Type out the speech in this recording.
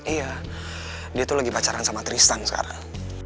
iya dia tuh lagi pacaran sama tristan sekarang